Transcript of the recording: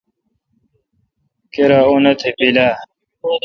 کیرا اوتھ بیل اؘ۔